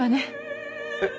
えっ？